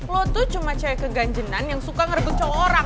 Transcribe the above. lo tuh cuma cewek keganjenan yang suka ngerebut cowok orang